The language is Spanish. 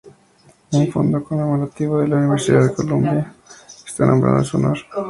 Un Fondo Conmemorativo de la Universidad de Columbia está nombrado en su honor.